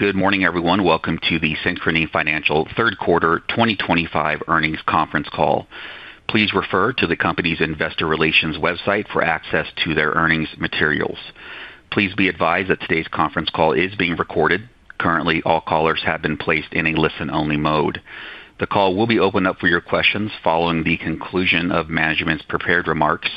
Good morning, everyone. Welcome to the Synchrony financial third quarter 2025 earnings conference call. Please refer to the company's investor relations website for access to their earnings materials. Please be advised that today's conference call is being recorded. Currently, all callers have been placed in a listen-only mode. The call will be opened up for your questions following the conclusion of management's prepared remarks.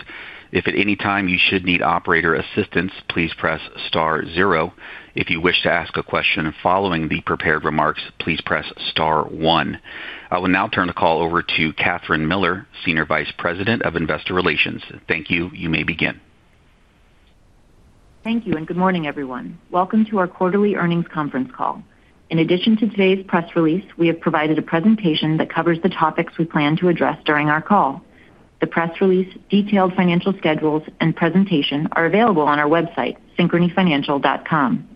If at any time you should need operator assistance, please press star zero. If you wish to ask a question following the prepared remarks, please press star one. I will now turn the call over to Kathryn Miller, Senior Vice President of Investor Relations. Thank you. You may begin. Thank you, and good morning, everyone. Welcome to our quarterly earnings conference call. In addition to today's press release, we have provided a presentation that covers the topics we plan to address during our call. The press release, detailed financial schedules, and presentation are available on our website, synchronyfinancial.com.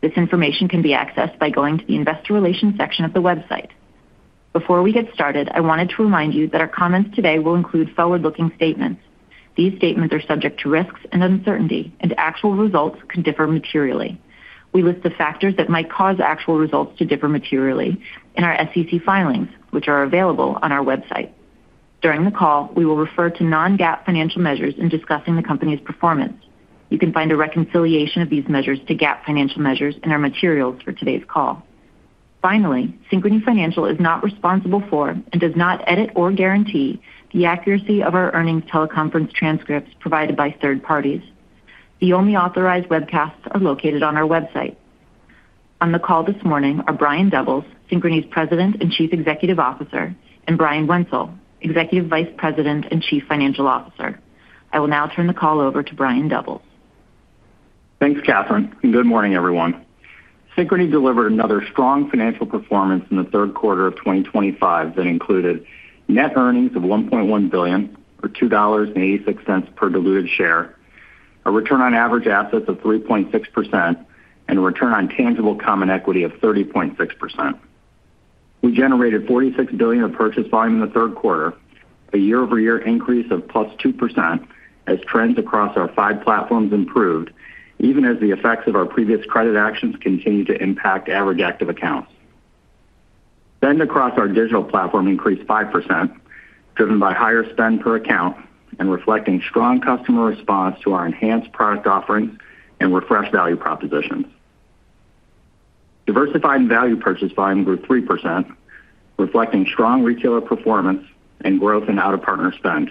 This information can be accessed by going to the investor relations section of the website. Before we get started, I wanted to remind you that our comments today will include forward-looking statements. These statements are subject to risks and uncertainty, and actual results can differ materially. We list the factors that might cause actual results to differ materially in our SEC filings, which are available on our website. During the call, we will refer to non-GAAP financial measures in discussing the company's performance. You can find a reconciliation of these measures to GAAP financial measures in our materials for today's call. Finally, Synchrony Financial is not responsible for and does not edit or guarantee the accuracy of our earnings teleconference transcripts provided by third parties. The only authorized webcasts are located on our website. On the call this morning are Brian Doubles, Synchrony's President and Chief Executive Officer, and Brian Wenzel, Executive Vice President and Chief Financial Officer. I will now turn the call over to Brian Doubles. Thanks, Kathryn, and good morning, everyone. Synchrony delivered another strong financial performance in the third quarter of 2025 that included net earnings of $1.1 billion, or $2.86 per diluted share, a return on average assets of 3.6%, and a return on tangible common equity of 30.6%. We generated $46 billion of purchase volume in the third quarter, a year-over-year increase of 2% as trends across our five platforms improved, even as the effects of our previous credit actions continue to impact average active accounts. Spend across our digital platform increased 5%, driven by higher spend per account and reflecting strong customer response to our enhanced product offerings and refreshed value propositions. Diversified and value purchase volume grew 3%, reflecting strong retailer performance and growth in out-of-partner spend.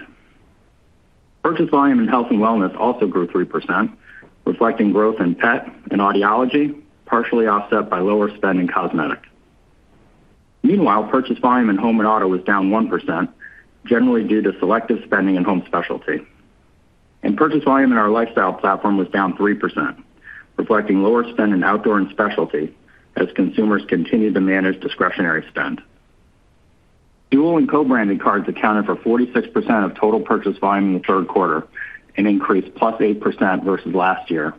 Purchase volume in health and wellness also grew 3%, reflecting growth in pet and audiology, partially offset by lower spend in cosmetics. Meanwhile, purchase volume in home and auto was down 1%, generally due to selective spending in home specialty. Purchase volume in our lifestyle platform was down 3%, reflecting lower spend in outdoor and specialty as consumers continue to manage discretionary spend. Dual and co-branded cards accounted for 46% of total purchase volume in the third quarter, an increase of 8% versus last year,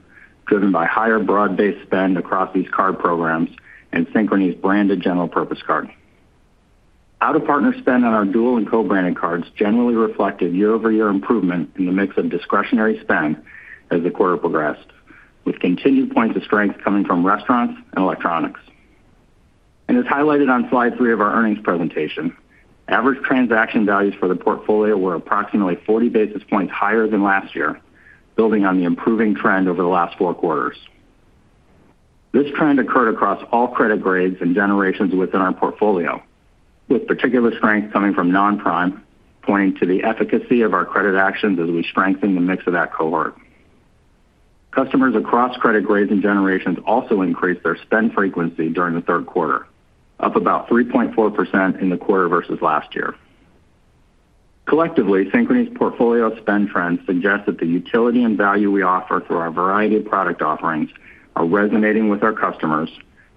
driven by higher broad-based spend across these card programs and Synchrony-branded general purpose card. Out-of-partner spend on our dual and co-branded cards generally reflected year-over-year improvement in the mix of discretionary spend as the quarter progressed, with continued points of strength coming from restaurants and electronics. As highlighted on slide three of our earnings presentation, average transaction values for the portfolio were approximately 40 basis points higher than last year, building on the improving trend over the last four quarters. This trend occurred across all credit grades and generations within our portfolio, with particular strength coming from non-prime, pointing to the efficacy of our credit actions as we strengthen the mix of that cohort. Customers across credit grades and generations also increased their spend frequency during the third quarter, up about 3.4% in the quarter versus last year. Collectively, Synchrony's portfolio spend trends suggest that the utility and value we offer through our variety of product offerings are resonating with our customers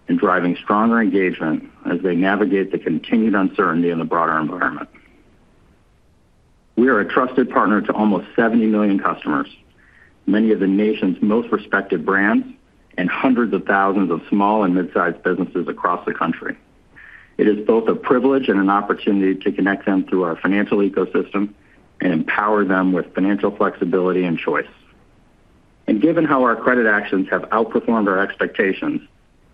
and driving stronger engagement as they navigate the continued uncertainty in the broader environment. We are a trusted partner to almost 70 million customers, many of the nation's most respected brands, and hundreds of thousands of small and mid-sized businesses across the country. It is both a privilege and an opportunity to connect them through our financial ecosystem and empower them with financial flexibility and choice. Given how our credit actions have outperformed our expectations,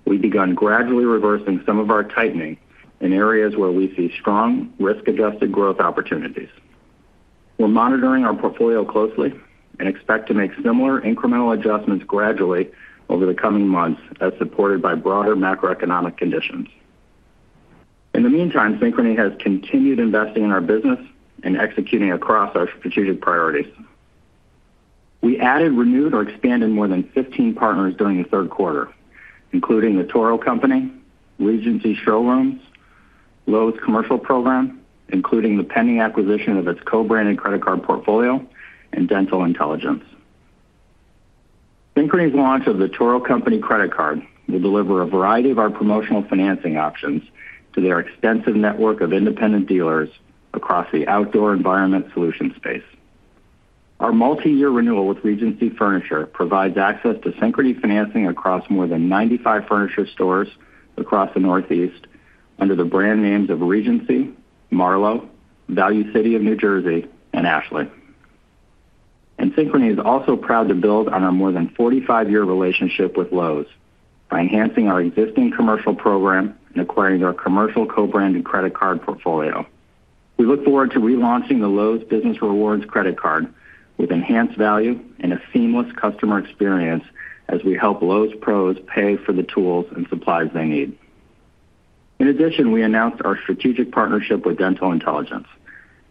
we began gradually reversing some of our tightening in areas where we see strong risk-adjusted growth opportunities. We're monitoring our portfolio closely and expect to make similar incremental adjustments gradually over the coming months, as supported by broader macroeconomic conditions. In the meantime, Synchrony has continued investing in our business and executing across our strategic priorities. We added, renewed, or expanded more than 15 partners during the third quarter, including The Toro Company, Regency Showrooms, Lowe's Commercial Program, including the pending acquisition of its co-branded credit card portfolio, and Dental Intelligence. Synchrony's launch of The Toro Company credit card will deliver a variety of our promotional financing options to their extensive network of independent dealers across the outdoor environment solution space. Our multi-year renewal with Regency Furniture provides access to Synchrony financing across more than 95 furniture stores across the Northeast under the brand names of Regency, Marlo, Value City of New Jersey, and Ashley. Synchrony is also proud to build on our more than 45-year relationship with Lowe's by enhancing our existing commercial program and acquiring their commercial co-branded credit card portfolio. We look forward to relaunching the Lowe's Business Rewards credit card with enhanced value and a seamless customer experience as we help Lowe's pros pay for the tools and supplies they need. In addition, we announced our strategic partnership with Dental Intelligence,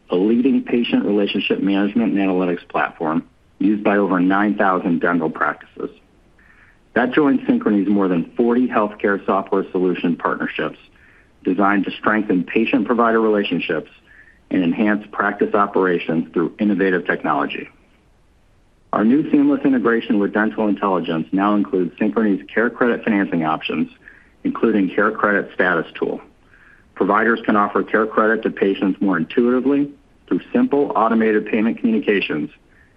a leading patient relationship management and analytics platform used by over 9,000 dental practices. That joined Synchrony's more than 40 healthcare software solution partnerships designed to strengthen patient-provider relationships and enhance practice operations through innovative technology. Our new seamless integration with Dental Intelligence now includes Synchrony's CareCredit financing options, including CareCredit Status Tool. Providers can offer CareCredit to patients more intuitively through simple automated payment communications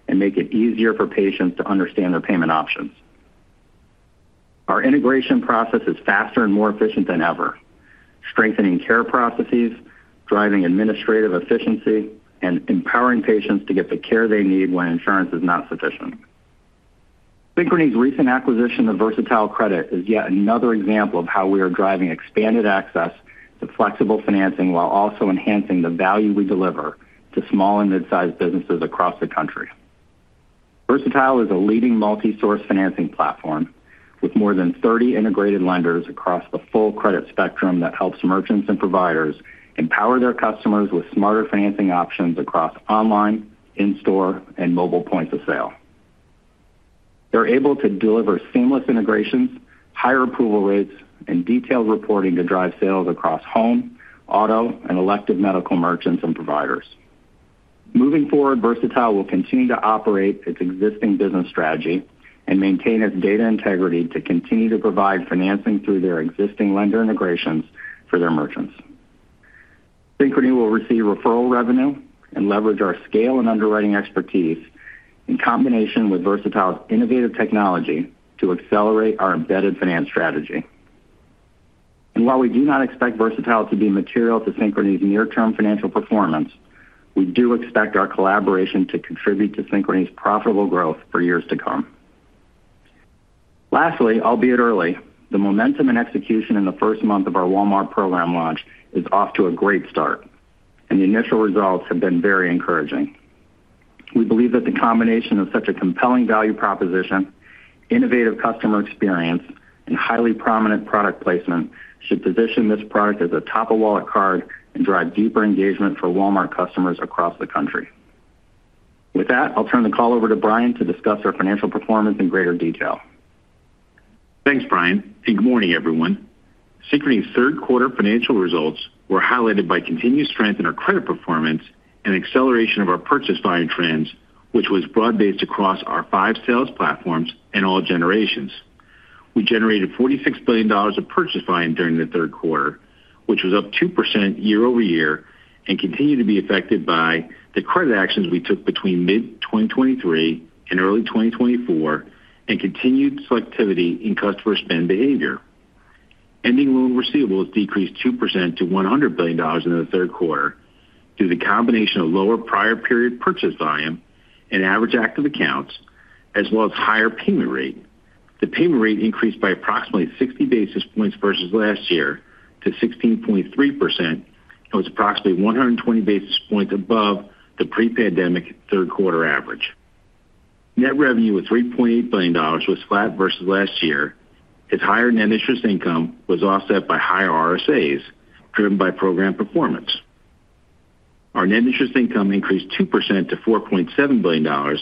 and make it easier for patients to understand their payment options. Our integration process is faster and more efficient than ever, strengthening care processes, driving administrative efficiency, and empowering patients to get the care they need when insurance is not sufficient. Synchrony's recent acquisition of Versatile Credit is yet another example of how we are driving expanded access to flexible financing while also enhancing the value we deliver to small and mid-sized businesses across the country. Versatile is a leading multi-source financing platform with more than 30 integrated lenders across the full credit spectrum that helps merchants and providers empower their customers with smarter financing options across online, in-store, and mobile points of sale. They are able to deliver seamless integrations, higher approval rates, and detailed reporting to drive sales across home, auto, and elective medical merchants and providers. Moving forward, Versatile will continue to operate its existing business strategy and maintain its data integrity to continue to provide financing through their existing lender integrations for their merchants. Synchrony will receive referral revenue and leverage our scale and underwriting expertise in combination with Versatile's innovative technology to accelerate our embedded finance strategy. While we do not expect Versatile to be material to Synchrony's near-term financial performance, we do expect our collaboration to contribute to Synchrony's profitable growth for years to come. Lastly, albeit early, the momentum and execution in the first month of our Walmart program launch is off to a great start, and the initial results have been very encouraging. We believe that the combination of such a compelling value proposition, innovative customer experience, and highly prominent product placement should position this product as a top-of-wallet card and drive deeper engagement for Walmart customers across the country. With that, I'll turn the call over to Brian to discuss our financial performance in greater detail. Thanks, Brian, and good morning, everyone. Synchrony's third quarter financial results were highlighted by continued strength in our credit performance and acceleration of our purchase volume trends, which was broad-based across our five sales platforms and all generations. We generated $46 billion of purchase volume during the third quarter, which was up 2% year-over-year and continued to be affected by the credit actions we took between mid-2023 and early 2024 and continued selectivity in customer spend behavior. Ending loan receivables decreased 2% to $100 billion in the third quarter due to the combination of lower prior-period purchase volume and average active accounts, as well as higher payment rate. The payment rate increased by approximately 60 basis points versus last year to 16.3%, and was approximately 120 basis points above the pre-pandemic third quarter average. Net revenue of $3.8 billion was flat versus last year. Its higher net interest income was offset by higher RSAs, driven by program performance. Our net interest income increased 2% to $4.7 billion,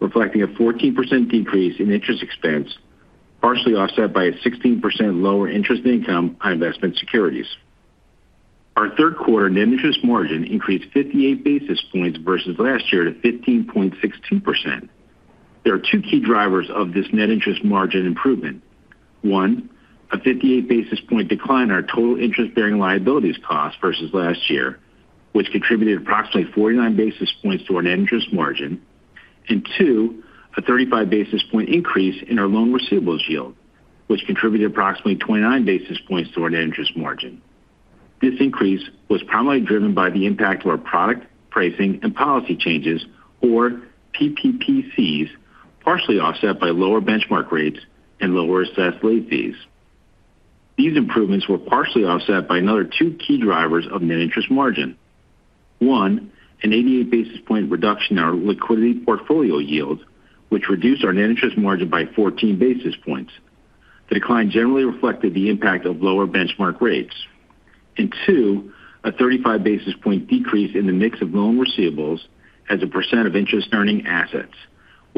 reflecting a 14% decrease in interest expense, partially offset by a 16% lower interest income on investment securities. Our third quarter net interest margin increased 58 basis points versus last year to 15.62%. There are two key drivers of this net interest margin improvement. One, a 58 basis point decline in our total interest-bearing liabilities cost versus last year, which contributed approximately 49 basis points to our net interest margin. Two, a 35 basis point increase in our loan receivables yield, which contributed approximately 29 basis points to our net interest margin. This increase was primarily driven by the impact of our product pricing and policy changes, or PPPCs, partially offset by lower benchmark rates and lower assessed late fees. These improvements were partially offset by another two key drivers of net interest margin. One, an 88 basis point reduction in our liquidity portfolio yield, which reduced our net interest margin by 14 basis points. The decline generally reflected the impact of lower benchmark rates. Two, a 35 basis point decrease in the mix of loan receivables as a percent of interest-earning assets,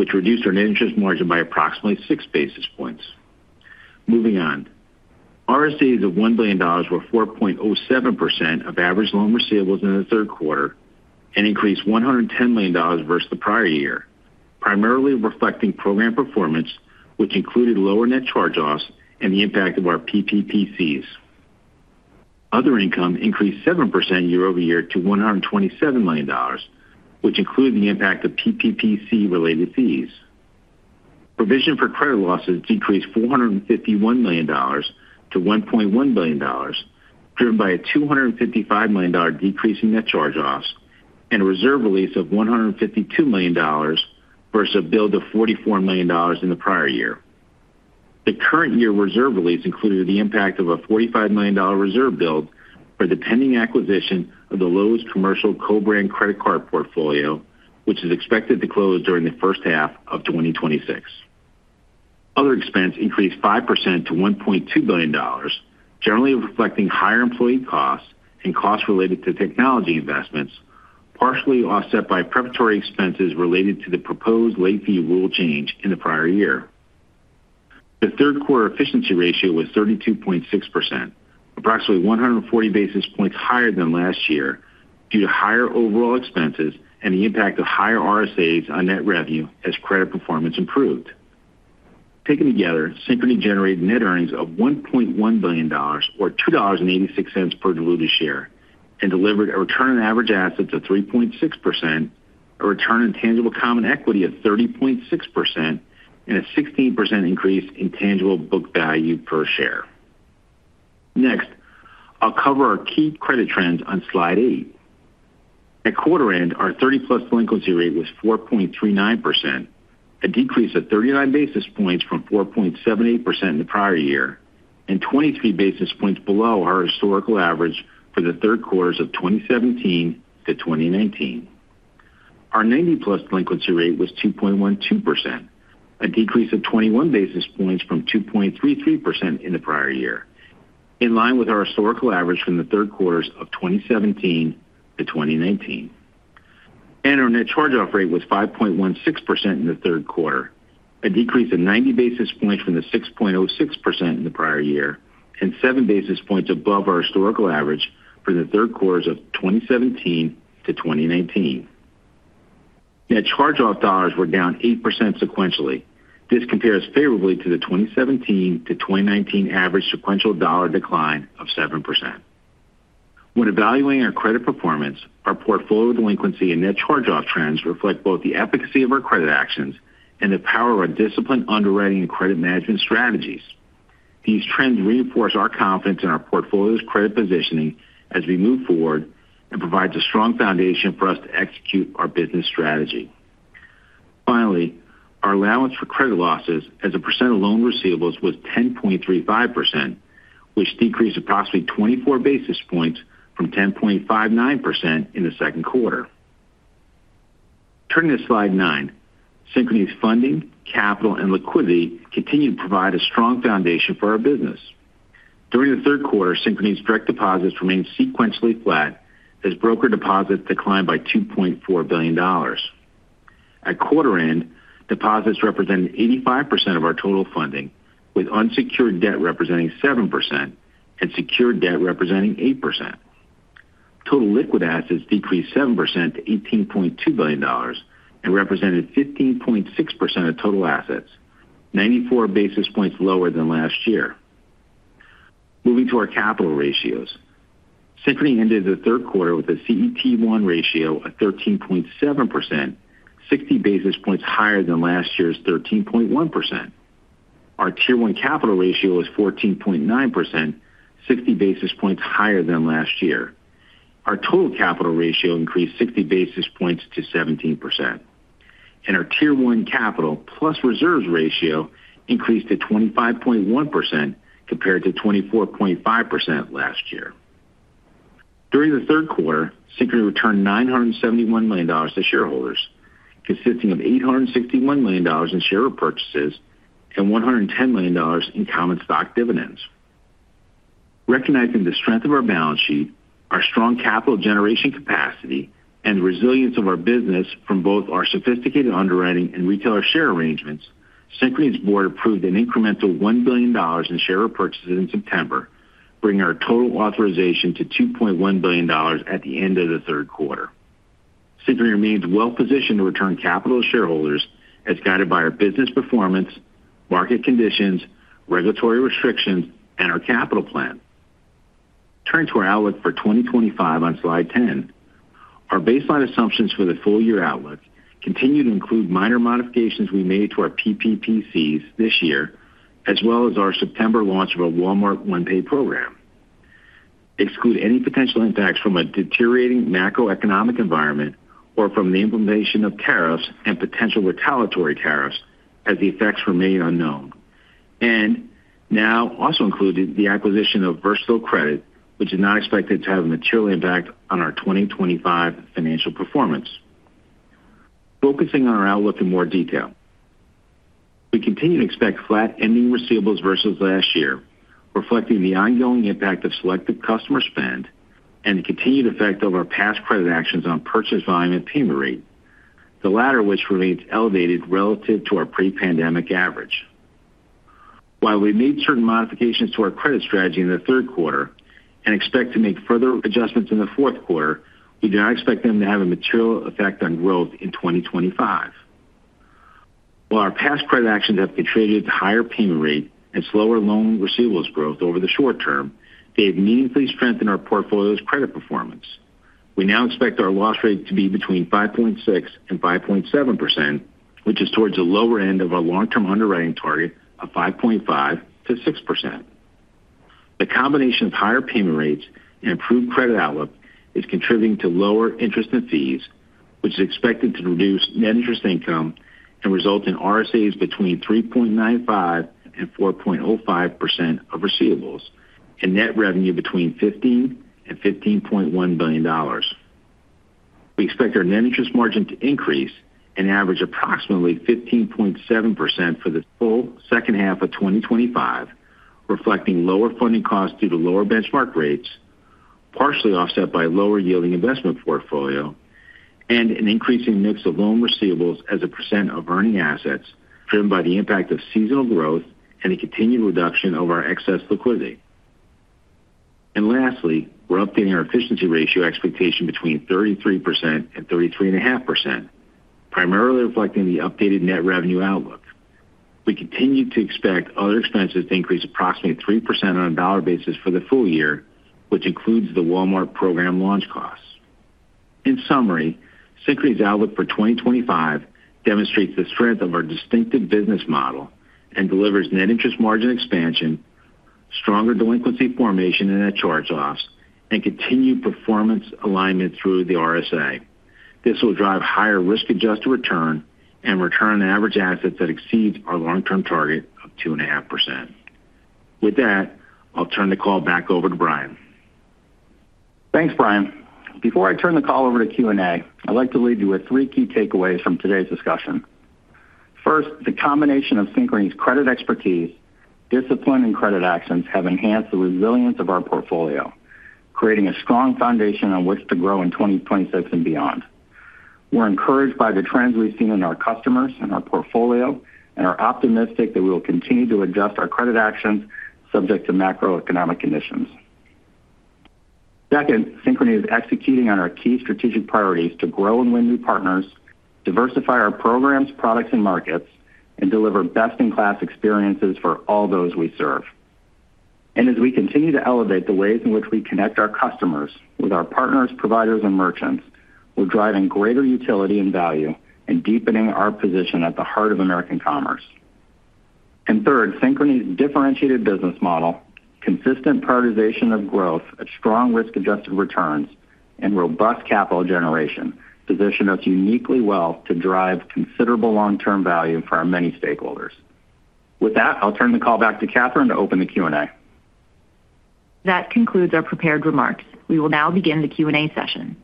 which reduced our net interest margin by approximately six basis points. Moving on, RSAs of $1 billion were 4.07% of average loan receivables in the third quarter and increased $110 million versus the prior year, primarily reflecting program performance, which included lower net charge-offs and the impact of our PPPCs. Other income increased 7% year-over-year to $127 million, which included the impact of PPPC-related fees. Provision for credit losses decreased $451 million-$1.1 billion, driven by a $255 million decrease in net charge-offs and a reserve release of $152 million versus a build of $44 million in the prior year. The current year reserve release included the impact of a $45 million reserve build for the pending acquisition of the Lowe’s Commercial Program Co-Brand Credit Card portfolio, which is expected to close during the first half of 2026. Other expense increased 5% to $1.2 billion, generally reflecting higher employee costs and costs related to technology investments, partially offset by preparatory expenses related to the proposed late fee rule change in the prior year. The third quarter efficiency ratio was 32.6%, approximately 140 basis points higher than last year due to higher overall expenses and the impact of higher RSAs on net revenue as credit performance improved. Taken together, Synchrony generated net earnings of $1.1 billion, or $2.86 per diluted share, and delivered a return on average assets of 3.6%, a return on tangible common equity of 30.6%, and a 16% increase in tangible book value per share. Next, I'll cover our key credit trends on slide eight. At quarter end, our 30+ delinquency rate was 4.39%, a decrease of 39 basis points from 4.78% in the prior year, and 23 basis points below our historical average for the third quarters of 2017 to 2019. Our 90+ delinquency rate was 2.12%, a decrease of 21 basis points from 2.33% in the prior year, in line with our historical average from the third quarters of 2017 to 2019. Our net charge-off rate was 5.16% in the third quarter, a decrease of 90 basis points from the 6.06% in the prior year and seven basis points above our historical average for the third quarters of 2017 to 2019. Net charge-off dollars were down 8% sequentially. This compares favorably to the 2017 to 2019 average sequential dollar decline of 7%. When evaluating our credit performance, our portfolio delinquency and net charge-off trends reflect both the efficacy of our credit actions and the power of our disciplined underwriting and credit management strategies. These trends reinforce our confidence in our portfolio's credit positioning as we move forward and provide a strong foundation for us to execute our business strategy. Finally, our allowance for credit losses as a percent of loan receivables was 10.35%, which decreased approximately 24 basis points from 10.59% in the second quarter. Turning to slide nine, Synchrony's funding, capital, and liquidity continue to provide a strong foundation for our business. During the third quarter, Synchrony's direct deposits remained sequentially flat as broker deposits declined by $2.4 billion. At quarter end, deposits represented 85% of our total funding, with unsecured debt representing 7% and secured debt representing 8%. Total liquid assets decreased 7% to $18.2 billion and represented 15.6% of total assets, 94 basis points lower than last year. Moving to our capital ratios, Synchrony ended the third quarter with a CET1 ratio of 13.7%, 60 basis points higher than last year's 13.1%. Our tier 1 capital ratio was 14.9%, 60 basis points higher than last year. Our total capital ratio increased 60 basis points to 17%. Our tier-one capital plus reserves ratio increased to 25.1% compared to 24.5% last year. During the third quarter, Synchrony returned $971 million to shareholders, consisting of $861 million in share repurchases and $110 million in common stock dividends. Recognizing the strength of our balance sheet, our strong capital generation capacity, and the resilience of our business from both our sophisticated underwriting and retailer share arrangements, Synchrony's board approved an incremental $1 billion in share repurchases in September, bringing our total authorization to $2.1 billion at the end of the third quarter. Synchrony remains well-positioned to return capital to shareholders as guided by our business performance, market conditions, regulatory restrictions, and our capital plan. Turning to our outlook for 2025 on slide 10, our baseline assumptions for the full-year outlook continue to include minor modifications we made to our PPPCs this year, as well as our September launch of a Walmart OnePay program. Exclude any potential impacts from a deteriorating macroeconomic environment or from the implementation of tariffs and potential retaliatory tariffs as the effects remain unknown. Now also included the acquisition of Versatile Credit, which is not expected to have a material impact on our 2025 financial performance. Focusing on our outlook in more detail, we continue to expect flat ending receivables versus last year, reflecting the ongoing impact of selective customer spend and the continued effect of our past credit actions on purchase volume and payment rate, the latter of which remains elevated relative to our pre-pandemic average. While we made certain modifications to our credit strategy in the third quarter and expect to make further adjustments in the fourth quarter, we do not expect them to have a material effect on growth in 2025. While our past credit actions have contributed to higher payment rate and slower loan receivables growth over the short term, they have meaningfully strengthened our portfolio's credit performance. We now expect our loss rate to be between 5.6% and 5.7%, which is towards the lower end of our long-term underwriting target of 5.5%-6%. The combination of higher payment rates and improved credit outlook is contributing to lower interest and fees, which is expected to reduce net interest income and result in RSAs between 3.95% and 4.05% of receivables and net revenue between $15 billion and $15.1 billion. We expect our net interest margin to increase and average approximately 15.7% for the full second half of 2025, reflecting lower funding costs due to lower benchmark rates, partially offset by a lower yielding investment portfolio, and an increasing mix of loan receivables as a percent of earning assets driven by the impact of seasonal growth and a continued reduction of our excess liquidity. Lastly, we're updating our efficiency ratio expectation between 33% and 33.5%, primarily reflecting the updated net revenue outlook. We continue to expect other expenses to increase approximately 3% on a dollar basis for the full year, which includes the Walmart program launch costs. In summary, Synchrony's outlook for 2025 demonstrates the strength of our distinctive business model and delivers net interest margin expansion, stronger delinquency formation and net charge-offs, and continued performance alignment through the RSA. This will drive higher risk-adjusted return and return on average assets that exceeds our long-term target of 2.5%. With that, I'll turn the call back over to Brian. Thanks, Brian. Before I turn the call over to Q&A, I'd like to leave you with three key takeaways from today's discussion. First, the combination of Synchrony's credit expertise, discipline, and credit actions have enhanced the resilience of our portfolio, creating a strong foundation on which to grow in 2026 and beyond. We're encouraged by the trends we've seen in our customers and our portfolio, and are optimistic that we will continue to adjust our credit actions subject to macroeconomic conditions. Second, Synchrony is executing on our key strategic priorities to grow and win new partners, diversify our programs, products, and markets, and deliver best-in-class experiences for all those we serve. As we continue to elevate the ways in which we connect our customers with our partners, providers, and merchants, we're driving greater utility and value and deepening our position at the heart of American commerce. Third, Synchrony's differentiated business model, consistent prioritization of growth at strong risk-adjusted returns, and robust capital generation position us uniquely well to drive considerable long-term value for our many stakeholders. With that, I'll turn the call back to Kathryn to open the Q&A. That concludes our prepared remarks. We will now begin the Q&A session.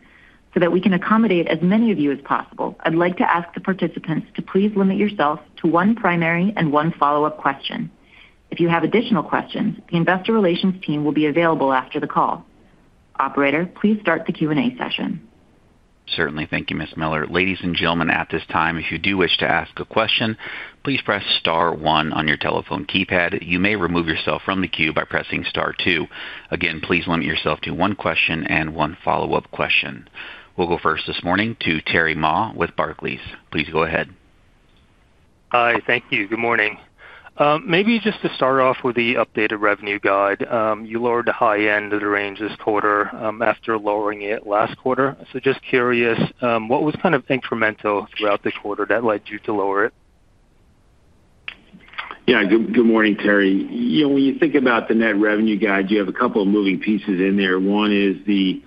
So that we can accommodate as many of you as possible, I'd like to ask the participants to please limit yourself to one primary and one follow-up question. If you have additional questions, the investor relations team will be available after the call. Operator, please start the Q&A session. Certainly. Thank you, Ms. Miller. Ladies and gentlemen, at this time, if you do wish to ask a question, please press star one on your telephone keypad. You may remove yourself from the queue by pressing star two. Again, please limit yourself to one question and one follow-up question. We'll go first this morning to Terry Ma with Barclays. Please go ahead. Hi. Thank you. Good morning. Maybe just to start off with the updated revenue guide, you lowered the high end of the range this quarter after lowering it last quarter. I am just curious, what was kind of incremental throughout the quarter that led you to lower it? Yeah. Good morning, Terry. You know, when you think about the net revenue guide, you have a couple of moving pieces in there. One is the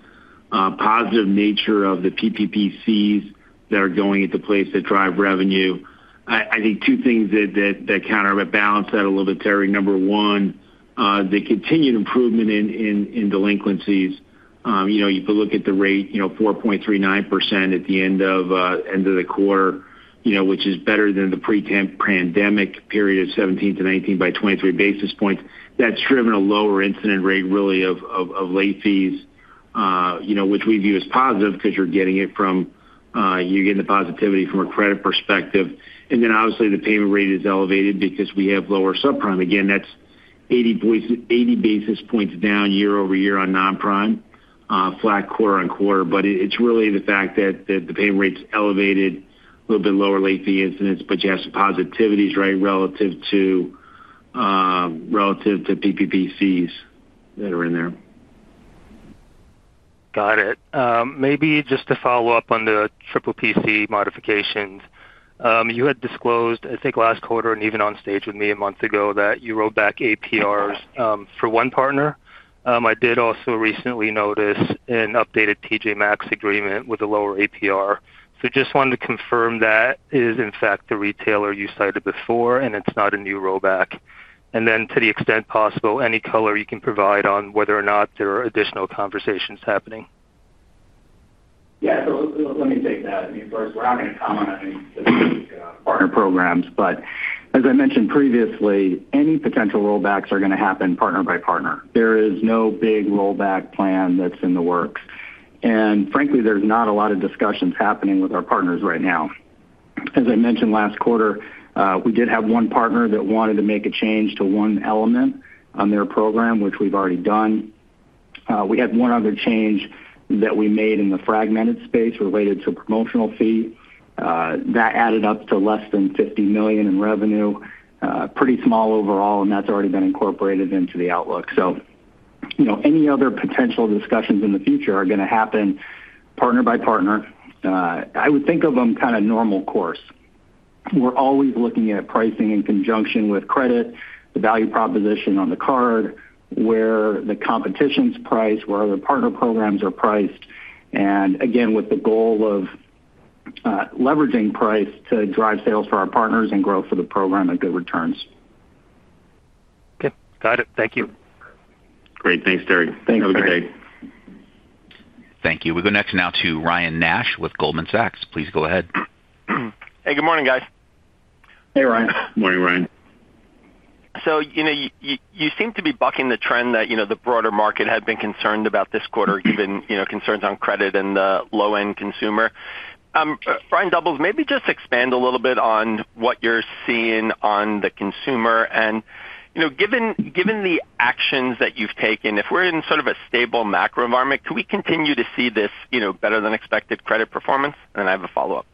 positive nature of the PPPCs that are going into place that drive revenue. I think two things that count. I'm going to balance that a little bit, Terry. Number one, the continued improvement in delinquencies. You know, you could look at the rate, you know, 4.39% at the end of the quarter, which is better than the pre-pandemic period of 2017 to 2019 by 23 basis points. That's driven a lower incident rate, really, of late fees, which we view as positive because you're getting it from, you're getting the positivity from a credit perspective. Obviously, the payment rate is elevated because we have lower subprime. Again, that's 80 basis points down year-over-year on non-prime, flat quarter on quarter. It's really the fact that the payment rate's elevated, a little bit lower late fee incidents, but you have some positivities, right, relative to PPPCs that are in there. Got it. Maybe just to follow up on the triple PC modifications, you had disclosed, I think, last quarter and even on stage with me a month ago that you rolled back APRs for one partner. I did also recently notice an updated TJ Maxx agreement with a lower APR. Just wanted to confirm that is, in fact, the retailer you cited before, and it's not a new rollback. To the extent possible, any color you can provide on whether or not there are additional conversations happening. Yeah. Let me take that. First, we're not going to comment on any specific partner programs. As I mentioned previously, any potential rollbacks are going to happen partner by partner. There is no big rollback plan that's in the works. Frankly, there's not a lot of discussions happening with our partners right now. As I mentioned last quarter, we did have one partner that wanted to make a change to one element on their program, which we've already done. We had one other change that we made in the fragmented space related to promotional fee. That added up to less than $50 million in revenue, pretty small overall, and that's already been incorporated into the outlook. Any other potential discussions in the future are going to happen partner by partner. I would think of them as kind of normal course. We're always looking at pricing in conjunction with credit, the value proposition on the card, where the competition's priced, where other partner programs are priced, and again, with the goal of leveraging price to drive sales for our partners and growth for the program at good returns. Okay, got it. Thank you. Great. Thanks, Terry. Thanks, everyone. Have a good day. Thank you. We go next now to Ryan Nash with Goldman Sachs. Please go ahead. Hey, good morning, guys. Hey, Ryan. Morning, Ryan. You seem to be bucking the trend that the broader market had been concerned about this quarter, given concerns on credit and the low-end consumer. Brian Doubles, maybe just expand a little bit on what you're seeing on the consumer. Given the actions that you've taken, if we're in sort of a stable macro environment, can we continue to see this better than expected credit performance? I have a follow-up.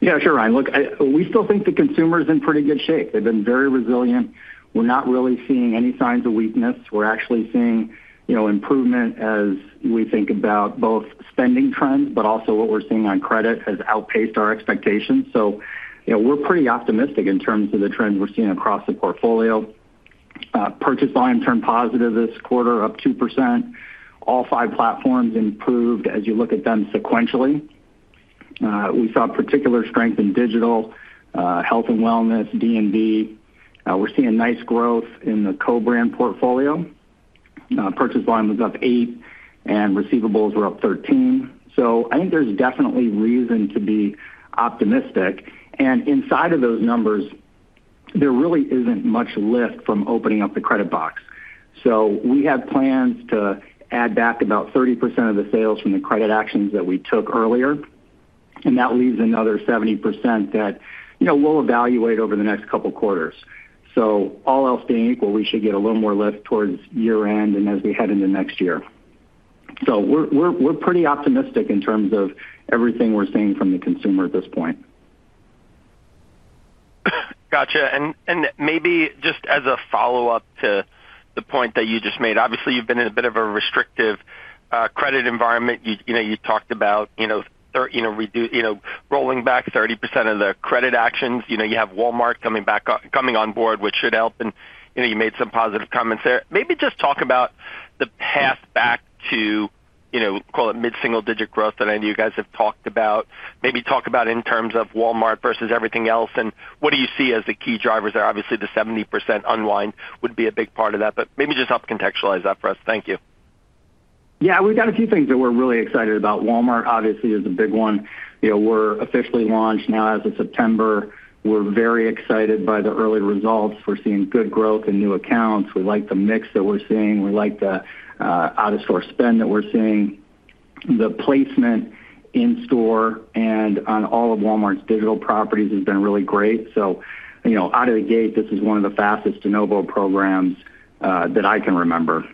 Yeah, sure, Ryan. Look, we still think the consumer's in pretty good shape. They've been very resilient. We're not really seeing any signs of weakness. We're actually seeing improvement as we think about both spending trends, but also what we're seeing on credit has outpaced our expectations. We're pretty optimistic in terms of the trends we're seeing across the portfolio. Purchase volume turned positive this quarter, up 2%. All five platforms improved as you look at them sequentially. We saw particular strength in digital, health and wellness, D&D. We're seeing nice growth in the co-brand portfolio. Purchase volume was up 8%, and receivables were up 13%. I think there's definitely reason to be optimistic. Inside of those numbers, there really isn't much lift from opening up the credit box. We have plans to add back about 30% of the sales from the credit actions that we took earlier. That leaves another 70% that we'll evaluate over the next couple of quarters. All else being equal, we should get a little more lift towards year-end and as we head into next year. We're pretty optimistic in terms of everything we're seeing from the consumer at this point. Gotcha. Maybe just as a follow-up to the point that you just made, obviously, you've been in a bit of a restrictive credit environment. You talked about rolling back 30% of the credit actions. You have Walmart coming back, coming on board, which should help. You made some positive comments there. Maybe just talk about the path back to, call it mid-single-digit growth that any of you guys have talked about. Maybe talk about in terms of Walmart versus everything else, and what do you see as the key drivers there? Obviously, the 70% unwind would be a big part of that. Maybe just help contextualize that for us. Thank you. Yeah. We've got a few things that we're really excited about. Walmart, obviously, is a big one. We're officially launched now as of September. We're very excited by the early results. We're seeing good growth in new accounts. We like the mix that we're seeing. We like the out-of-store spend that we're seeing. The placement in-store and on all of Walmart's digital properties has been really great. Out of the gate, this is one of the fastest de novo programs that I can remember.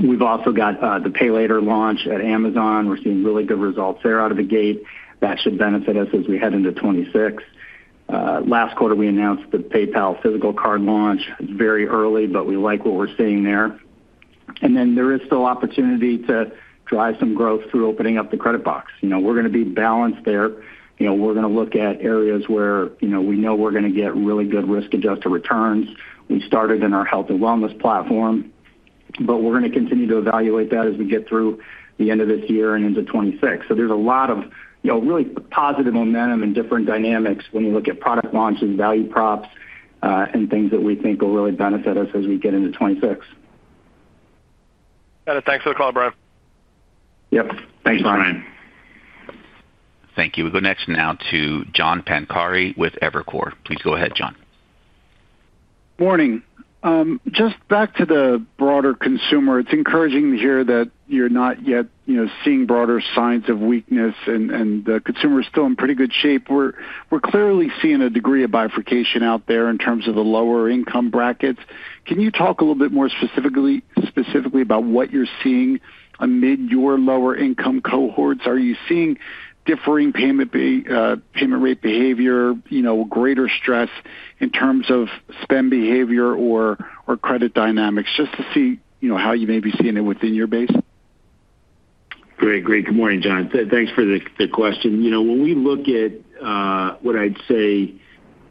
We've also got the Pay Later launch at Amazon. We're seeing really good results there out of the gate. That should benefit us as we head into 2026. Last quarter, we announced the PayPal physical card launch. It's very early, but we like what we're seeing there. There is still opportunity to drive some growth through opening up the credit box. We're going to be balanced there. We're going to look at areas where we know we're going to get really good risk-adjusted returns. We started in our health and wellness platform. We're going to continue to evaluate that as we get through the end of this year and into 2026. There's a lot of really positive momentum and different dynamics when you look at product launches, value props, and things that we think will really benefit us as we get into 2026. Got it. Thanks for the call, Brian. Yep, thanks, Brian. Thanks Brian. Thank you. We go next now to John Pancari with Evercore. Please go ahead, John. Morning. Just back to the broader consumer, it's encouraging to hear that you're not yet seeing broader signs of weakness, and the consumer's still in pretty good shape. We're clearly seeing a degree of bifurcation out there in terms of the lower income brackets. Can you talk a little bit more specifically about what you're seeing amid your lower income cohorts? Are you seeing differing payment rate behavior, greater stress in terms of spend behavior or credit dynamics? Just to see how you may be seeing it within your base. Great. Good morning, John. Thanks for the question. When we look at what I'd say,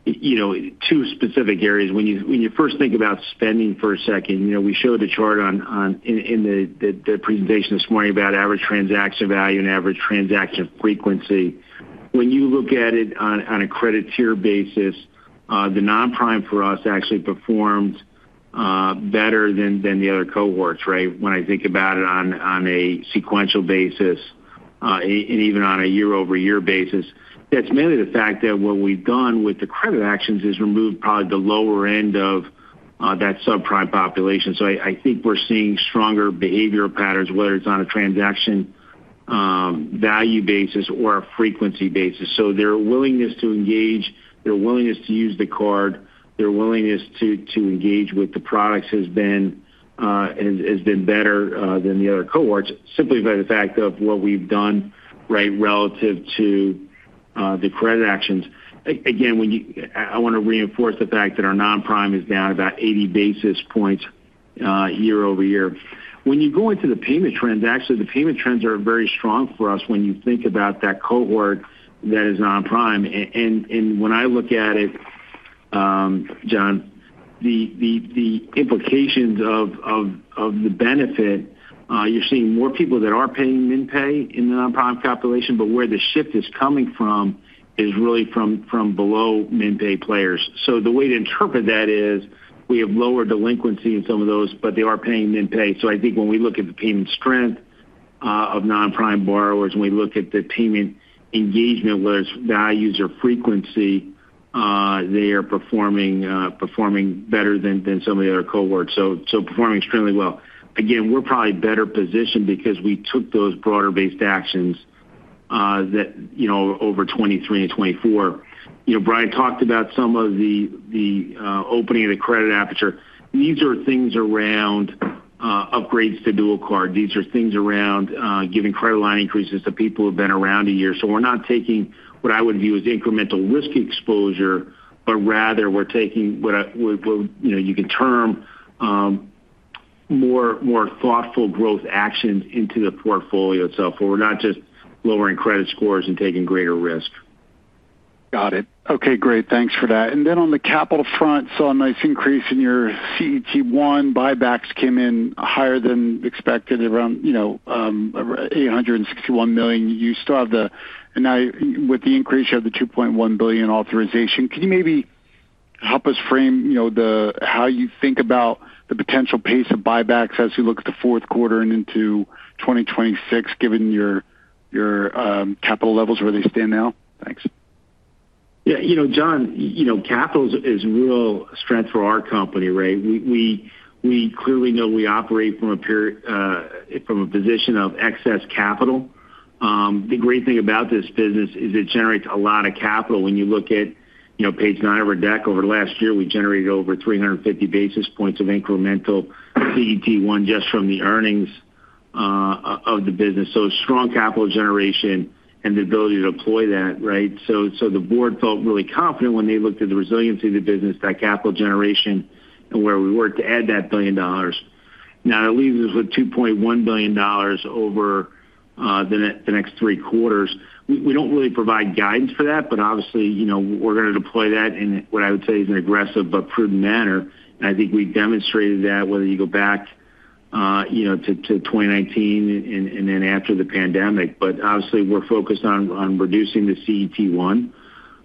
two specific areas. When you first think about spending for a second, we showed a chart in the presentation this morning about average transaction value and average transaction frequency. When you look at it on a credit-tier basis, the non-prime for us actually performed better than the other cohorts, right? When I think about it on a sequential basis and even on a year-over-year basis, that's mainly the fact that what we've done with the credit actions is remove probably the lower end of that subprime population. I think we're seeing stronger behavioral patterns, whether it's on a transaction value basis or a frequency basis. Their willingness to engage, their willingness to use the card, their willingness to engage with the products has been better than the other cohorts simply by the fact of what we've done, right, relative to the credit actions. I want to reinforce the fact that our non-prime is down about 80 basis points year-over-year. When you go into the payment trends, actually, the payment trends are very strong for us when you think about that cohort that is non-prime. When I look at it, John, the implications of the benefit, you're seeing more people that are paying min pay in the non-prime population, but where the shift is coming from is really from below min pay players. The way to interpret that is we have lower delinquency in some of those, but they are paying min pay. When we look at the payment strength of non-prime borrowers and we look at the payment engagement, whether it's values or frequency, they are performing better than some of the other cohorts. Performing extremely well. We're probably better positioned because we took those broader-based actions over 2023 and 2024. Brian talked about some of the opening of the credit aperture. These are things around upgrades to dual card. These are things around giving credit line increases to people who have been around a year. We're not taking what I would view as incremental risk exposure, but rather we're taking what you could term more thoughtful growth actions into the portfolio itself, where we're not just lowering credit scores and taking greater risk. Got it. Okay. Great. Thanks for that. On the capital front, saw a nice increase in your CET1. Buybacks came in higher than expected, around $861 million. You still have the, and now with the increase, you have the $2.1 billion authorization. Can you maybe help us frame how you think about the potential pace of buybacks as we look at the fourth quarter and into 2026, given your capital levels where they stand now? Thanks. Yeah. You know, John, capital is a real strength for our company, right? We clearly know we operate from a position of excess capital. The great thing about this business is it generates a lot of capital. When you look at page nine of our deck over the last year, we generated over 350 basis points of incremental CET1 just from the earnings of the business. Strong capital generation and the ability to deploy that, right? The board felt really confident when they looked at the resiliency of the business, that capital generation, and where we were to add that billion dollars. That leaves us with $2.1 billion over the next three quarters. We don't really provide guidance for that, but obviously, you know, we're going to deploy that in what I would say is an aggressive but prudent manner. I think we've demonstrated that whether you go back to 2019 and then after the pandemic. Obviously, we're focused on reducing the CET1.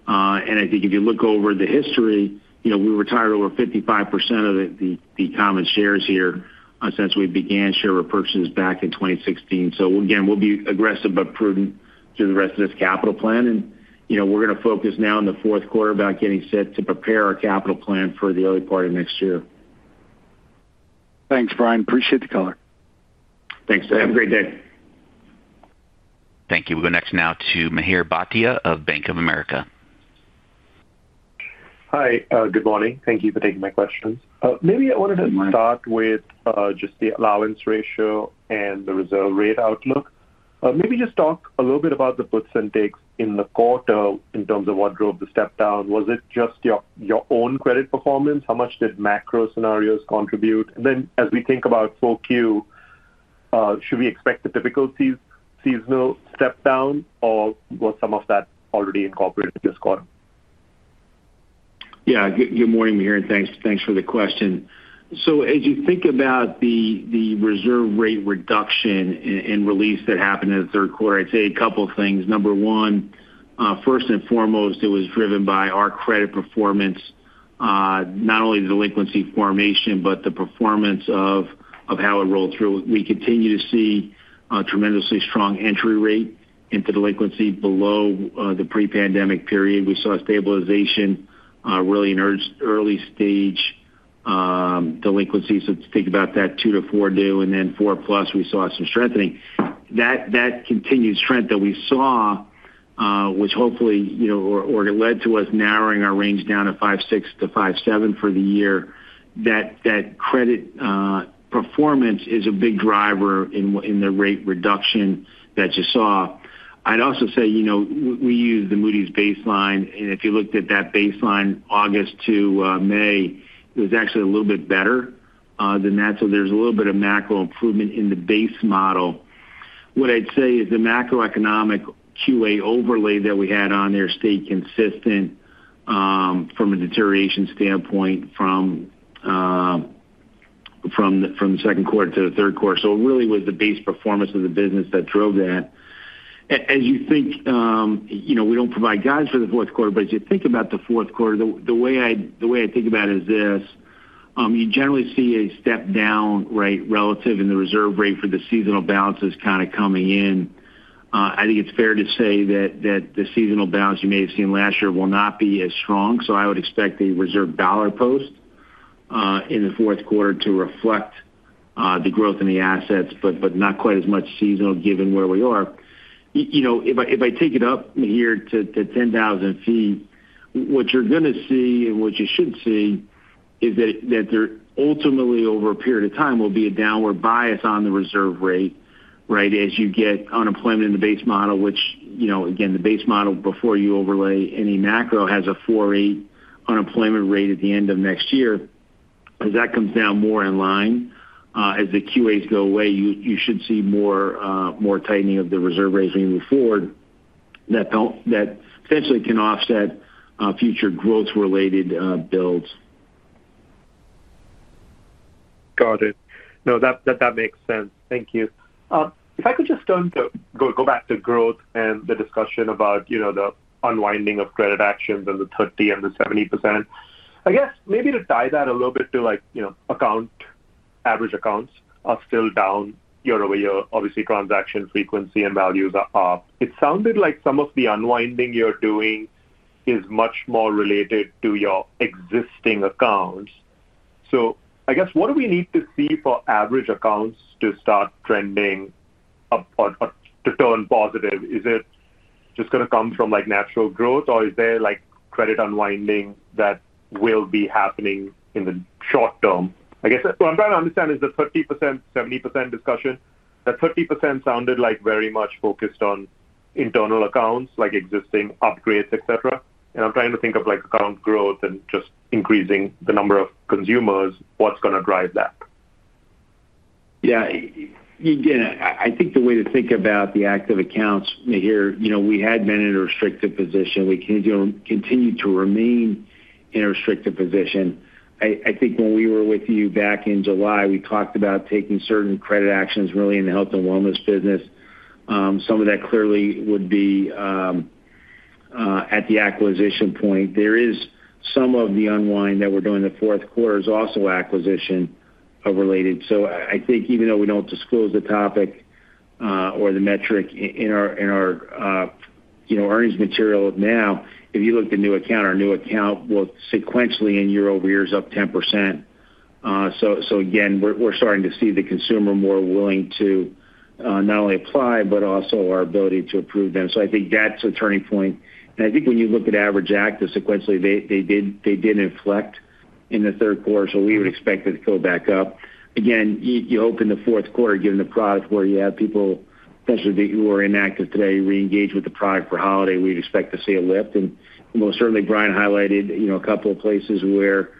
I think if you look over the history, we retired over 55% of the common shares here since we began share repurchases back in 2016. Again, we'll be aggressive but prudent through the rest of this capital plan. You know, we're going to focus now in the fourth quarter about getting set to prepare our capital plan for the early part of next year. Thanks, Brian. Appreciate the call. Thanks, sir. Have a great day. Thank you. We go next now to Mihir Bhatia of Bank of America. Hi. Good morning. Thank you for taking my questions. Maybe I wanted to start with just the allowance ratio and the reserve rate outlook. Maybe just talk a little bit about the puts and takes in the quarter in terms of what drove the step down. Was it just your own credit performance? How much did macro scenarios contribute? As we think about 4Q, should we expect a typical seasonal step down, or was some of that already incorporated in this quarter? Good morning, Mihir, and thanks for the question. As you think about the reserve rate reduction and release that happened in the third quarter, I'd say a couple of things. Number one, first and foremost, it was driven by our credit performance, not only the delinquency formation, but the performance of how it rolled through. We continue to see a tremendously strong entry rate into delinquency below the pre-pandemic period. We saw a stabilization really in early-stage delinquency. Think about that two to two due and then 4+, we saw some strengthening. That continued strength that we saw, which hopefully, you know, led to us narrowing our range down to 5.6%-5.7% for the year. That credit performance is a big driver in the rate reduction that you saw. I'd also say, you know, we use the Moody's baseline. If you looked at that baseline August to May, it was actually a little bit better than that. There is a little bit of macro improvement in the base model. What I'd say is the macroeconomic QA overlay that we had on there stayed consistent from a deterioration standpoint from the second quarter to the third quarter. It really was the base performance of the business that drove that. As you think, you know, we don't provide guidance for the fourth quarter, but as you think about the fourth quarter, the way I think about it is this. You generally see a step down, right, relative in the reserve rate for the seasonal balances kind of coming in. I think it's fair to say that the seasonal balance you may have seen last year will not be as strong. I would expect a reserve dollar post in the fourth quarter to reflect the growth in the assets, but not quite as much seasonal given where we are. If I take it up here to 10,000 ft, what you're going to see and what you should see is that there ultimately, over a period of time, will be a downward bias on the reserve rate, right, as you get unemployment in the base model, which, you know, again, the base model before you overlay any macro has a 4.8% unemployment rate at the end of next year. As that comes down more in line, as the QAs go away, you should see more tightening of the reserve rates moving forward that potentially can offset future growth-related builds. Got it. No, that makes sense. Thank you. If I could just turn to go back to growth and the discussion about, you know, the unwinding of credit actions and the 30% and the 70%. I guess maybe to tie that a little bit to, like, you know, average accounts are still down year-over-year. Obviously, transaction frequency and values are up. It sounded like some of the unwinding you're doing is much more related to your existing accounts. I guess what do we need to see for average accounts to start trending up or to turn positive? Is it just going to come from, like, natural growth, or is there, like, credit unwinding that will be happening in the short term? I guess what I'm trying to understand is the 30%, 70% discussion. The 30% sounded like very much focused on internal accounts, like existing upgrades, etc. I'm trying to think of, like, account growth and just increasing the number of consumers. What's going to drive that? Yeah. Again, I think the way to think about the active accounts here, you know, we had been in a restrictive position. We continue to remain in a restrictive position. I think when we were with you back in July, we talked about taking certain credit actions really in the health and wellness business. Some of that clearly would be at the acquisition point. There is some of the unwind that we're doing in the fourth quarter that is also acquisition-related. I think even though we don't disclose the topic or the metric in our earnings material now, if you look at the new account, our new account will sequentially in year-over-year is up 10%. We're starting to see the consumer more willing to not only apply, but also our ability to approve them. I think that's a turning point. I think when you look at average active sequentially, they did inflect in the third quarter, so we would expect it to go back up. You hope in the fourth quarter, given the product where you have people potentially who are inactive today reengage with the product for holiday, we'd expect to see a lift. Most certainly, Brian highlighted a couple of places where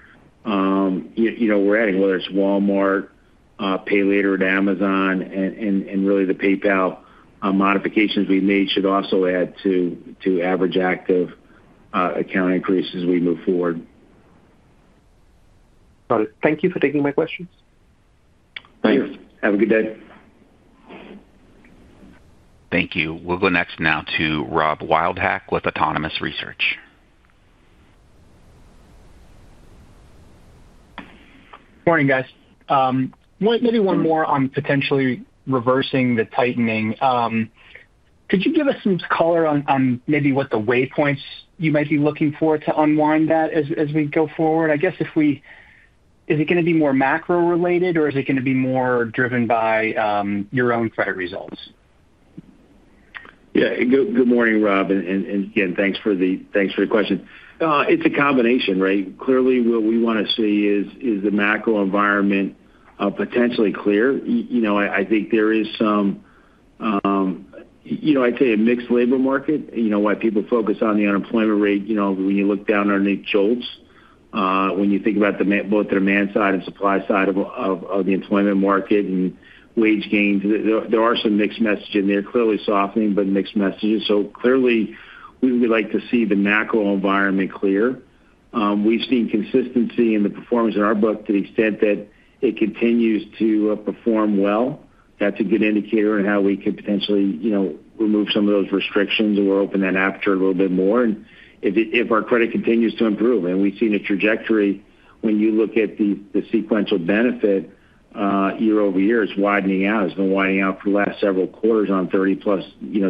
we're adding, whether it's Walmart, Pay Later, or Amazon, and really the PayPal modifications we've made should also add to average active account increases as we move forward. Got it. Thank you for taking my questions. Thank you. Have a good day. Thank you. We'll go next now to Rob Wildhack with Autonomous Research. Morning, guys. Maybe one more on potentially reversing the tightening. Could you give us some color on maybe what the waypoints you might be looking for to unwind that as we go forward? I guess, is it going to be more macro-related, or is it going to be more driven by your own credit results? Yeah. Good morning, Rob. Again, thanks for the question. It's a combination, right? Clearly, what we want to see is the macro environment potentially clear. I think there is some, I'd say, a mixed labor market. People focus on the unemployment rate. When you look down on Nick Schultz, when you think about both the demand side and supply side of the employment market and wage gains, there are some mixed messages in there, clearly softening, but mixed messages. Clearly, we would like to see the macro environment clear. We've seen consistency in the performance of our book to the extent that it continues to perform well. That's a good indicator on how we could potentially remove some of those restrictions or open that aperture a little bit more. If our credit continues to improve, and we've seen a trajectory, when you look at the sequential benefit year-over-year, it's widening out. It's been widening out for the last several quarters on 30+ delinquency. You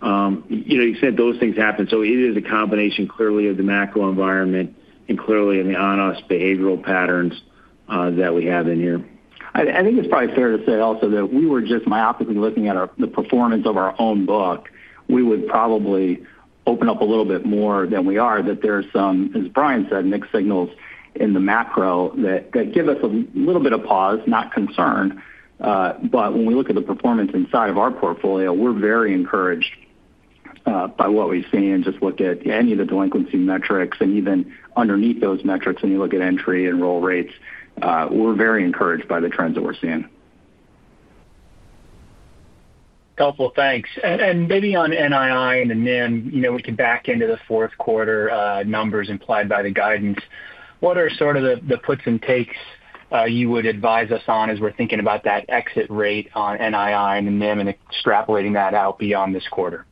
can't make those things happen. It is a combination clearly of the macro environment and clearly in the on-us behavioral patterns that we have in here. I think it's probably fair to say also that if we were just myopically looking at the performance of our own book, we would probably open up a little bit more than we are. There are some, as Brian said, mixed signals in the macro that give us a little bit of pause, not concern. When we look at the performance inside of our portfolio, we're very encouraged by what we've seen. Just look at any of the delinquency metrics, and even underneath those metrics, when you look at entry and roll rates, we're very encouraged by the trends that we're seeing. Helpful. Thanks. Maybe on NII and NIM, you know, we can back into the fourth quarter numbers implied by the guidance. What are the puts and takes you would advise us on as we're thinking about that exit rate on NII and NIM and extrapolating that out beyond this quarter?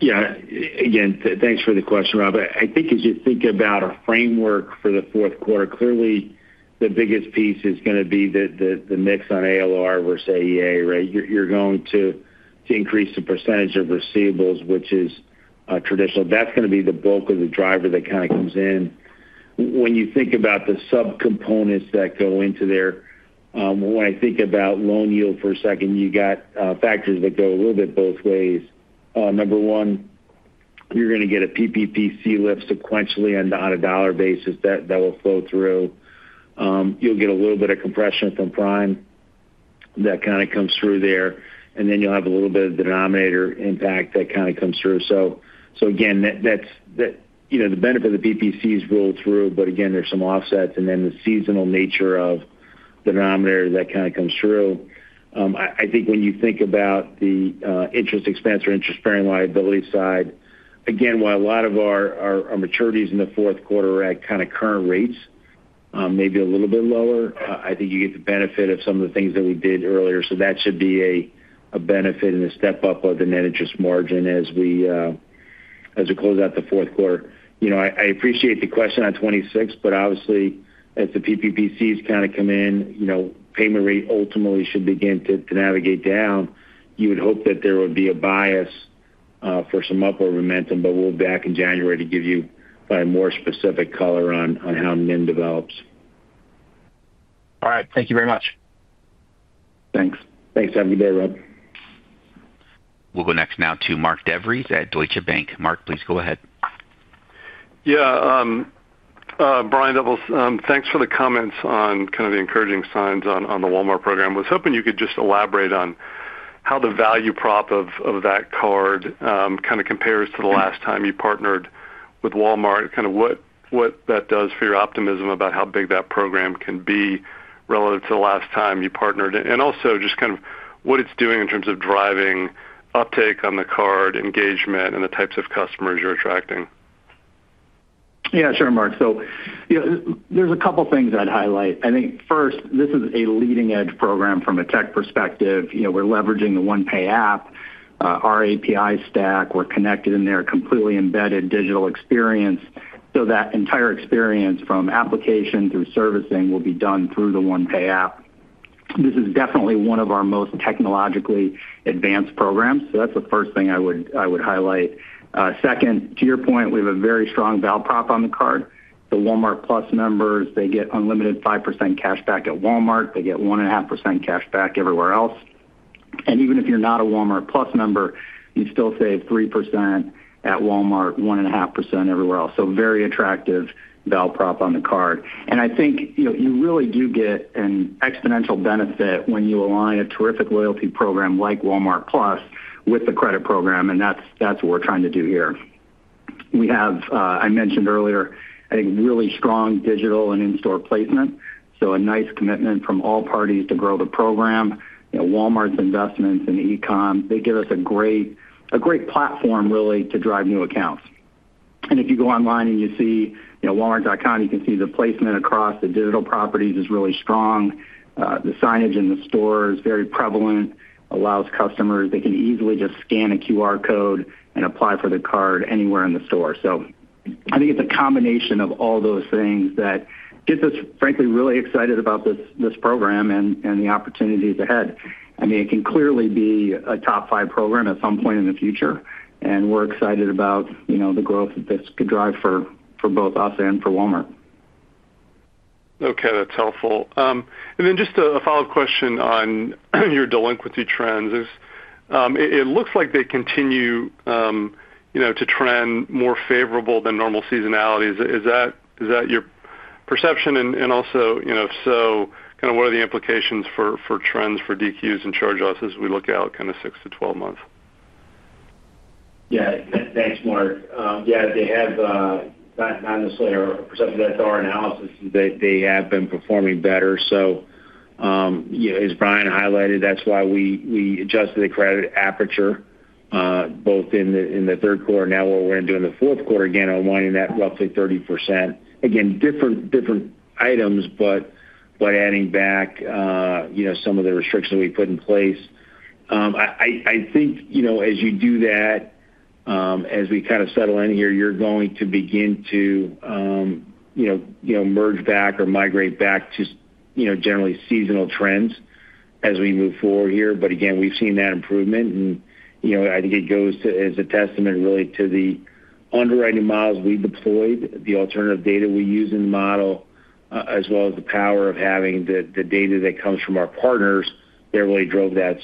Yeah. Again, thanks for the question, Rob. I think as you think about our framework for the fourth quarter, clearly, the biggest piece is going to be the mix on ALR versus AEA, right? You're going to increase the percentage of receivables, which is traditional. That's going to be the bulk of the driver that kind of comes in. When you think about the subcomponents that go into there, when I think about loan yield for a second, you've got factors that go a little bit both ways. Number one, you're going to get a PPPC lift sequentially on a dollar basis that will flow through. You'll get a little bit of compression from prime that kind of comes through there. Then you'll have a little bit of the denominator impact that kind of comes through. That's the benefit of the PPPCs roll through, but there's some offsets. The seasonal nature of the denominator that kind of comes through. I think when you think about the interest expense or interest-bearing liability side, while a lot of our maturities in the fourth quarter are at kind of current rates, maybe a little bit lower, I think you get the benefit of some of the things that we did earlier. That should be a benefit and a step up of the net interest margin as we close out the fourth quarter. I appreciate the question on 2026, but obviously, as the PPPCs kind of come in, payment rate ultimately should begin to navigate down. You would hope that there would be a bias for some upward momentum, but we'll be back in January to give you a more specific color on how NIM develops. All right. Thank you very much. Thanks. Have a good day, Rob. We'll go next to Mark Devries at Deutsche Bank. Mark, please go ahead. Yeah. Brian Doubles, thanks for the comments on kind of the encouraging signs on the Walmart program. I was hoping you could just elaborate on how the value prop of that card kind of compares to the last time you partnered with Walmart, kind of what that does for your optimism about how big that program can be relative to the last time you partnered. Also, just kind of what it's doing in terms of driving uptake on the card, engagement, and the types of customers you're attracting. Yeah, sure, Mark. There are a couple of things I'd highlight. First, this is a leading-edge program from a tech perspective. We're leveraging the OnePay app and our API stack. We're connected in their completely embedded digital experience, so that entire experience from application through servicing will be done through the OnePay app. This is definitely one of our most technologically advanced programs. That's the first thing I would highlight. Second, to your point, we have a very strong value proposition on the card. The Walmart Plus members get unlimited 5% cashback at Walmart. They get 1.5% cashback everywhere else. Even if you're not a Walmart Plus member, you still save 3% at Walmart and 1.5% everywhere else. It's a very attractive value proposition on the card. I think you really do get an exponential benefit when you align a terrific loyalty program like Walmart Plus with the credit program, and that's what we're trying to do here. I mentioned earlier, we have really strong digital and in-store placement, so a nice commitment from all parties to grow the program. Walmart's investments in e-commerce give us a great platform to drive new accounts. If you go online and see walmart.com, you can see the placement across the digital properties is really strong. The signage in the store is very prevalent and allows customers to easily just scan a QR code and apply for the card anywhere in the store. I think it's a combination of all those things that gets us, frankly, really excited about this program and the opportunities ahead. It can clearly be a top five program at some point in the future. We're excited about the growth that this could drive for both us and for Walmart. Okay. That's helpful. Just a follow-up question on your delinquency trends. It looks like they continue to trend more favorable than normal seasonalities. Is that your perception? If so, what are the implications for trends for DQs and charge-offs as we look out six to 12 months? Yeah. Thanks, Mark. They have not necessarily a perception. That's our analysis. They have been performing better. As Brian highlighted, that's why we adjusted the credit aperture both in the third quarter. Now we're going to do in the fourth quarter again, unwinding that roughly 30%. Different items, but adding back some of the restrictions that we put in place. I think as you do that, as we kind of settle in here, you're going to begin to merge back or migrate back to generally seasonal trends as we move forward here. We've seen that improvement. I think it goes to, as a testament really to the underwriting models we deployed, the alternative data we use in the model, as well as the power of having the data that comes from our partners, that really drove that.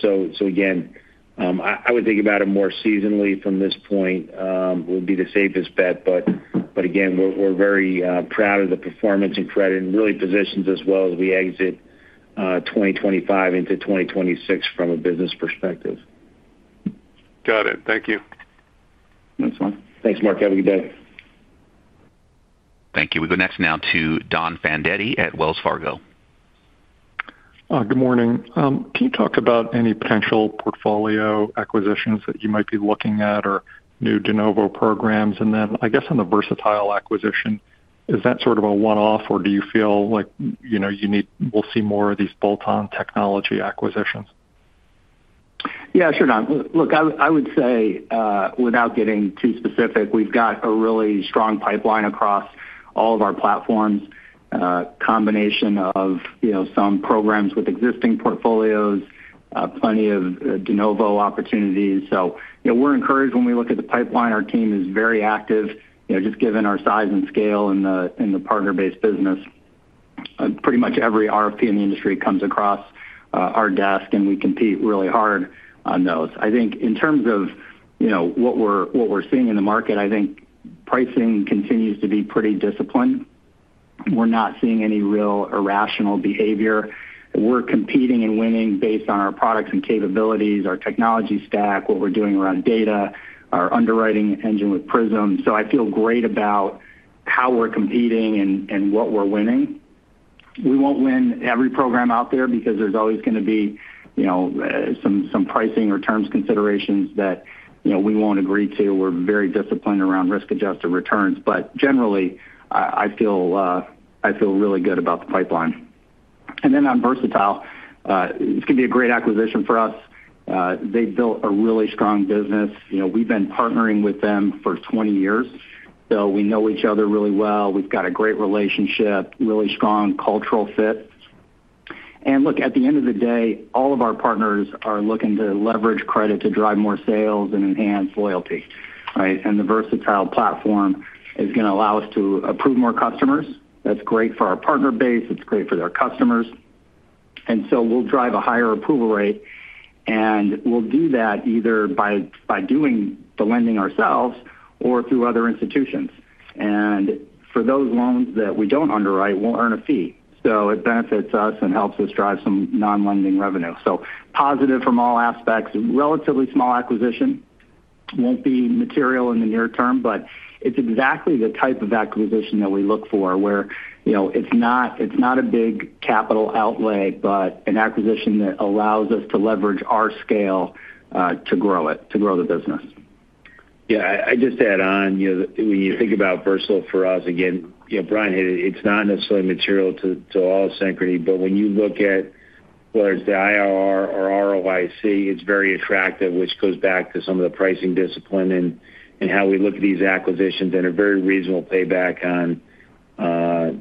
I would think about it more seasonally from this point would be the safest bet. We're very proud of the performance and credit and really positions us well as we exit 2025 into 2026 from a business perspective. Got it. Thank you. Excellent. Thanks, Mark. Have a good day. Thank you. We go next now to Don Fandetti at Wells Fargo. Good morning. Can you talk about any potential portfolio acquisitions that you might be looking at or new de novo programs? On the Versatile Credit acquisition, is that sort of a one-off, or do you feel like, you know, you need, we'll see more of these bolt-on technology acquisitions? Yeah, sure, Don. Look, I would say, without getting too specific, we've got a really strong pipeline across all of our platforms, a combination of some programs with existing portfolios, plenty of de novo opportunities. We're encouraged when we look at the pipeline. Our team is very active, just given our size and scale in the partner-based business. Pretty much every RFP in the industry comes across our desk, and we compete really hard on those. I think in terms of what we're seeing in the market, I think pricing continues to be pretty disciplined. We're not seeing any real irrational behavior. We're competing and winning based on our products and capabilities, our technology stack, what we're doing around data, our underwriting engine with Prism. I feel great about how we're competing and what we're winning. We won't win every program out there because there's always going to be some pricing or terms considerations that we won't agree to. We're very disciplined around risk-adjusted returns. Generally, I feel really good about the pipeline. On Versatile Credit, it's going to be a great acquisition for us. They built a really strong business. We've been partnering with them for 20 years. We know each other really well. We've got a great relationship, really strong cultural fit. At the end of the day, all of our partners are looking to leverage credit to drive more sales and enhance loyalty, right? The Versatile Credit platform is going to allow us to approve more customers. That's great for our partner base. It's great for their customers. We'll drive a higher approval rate, and we'll do that either by doing the lending ourselves or through other institutions. For those loans that we don't underwrite, we'll earn a fee. It benefits us and helps us drive some non-lending revenue. Positive from all aspects. Relatively small acquisition. Won't be material in the near term, but it's exactly the type of acquisition that we look for, where it's not a big capital outlay, but an acquisition that allows us to leverage our scale to grow it, to grow the business. Yeah. I'd just add on, you know, when you think about Versatile for us, again, you know, Brian, it's not necessarily material to all of Synchrony, but when you look at whether it's the IRR or ROIC, it's very attractive, which goes back to some of the pricing discipline and how we look at these acquisitions and a very reasonable payback on